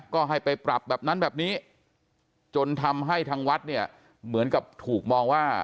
ก็ให้ไปปรับแบบนั้นแบบนี้จนทำให้ทางวัดเนี่ยเหมือนกับถูกมองว่า